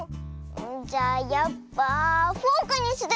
じゃあやっぱフォークにする！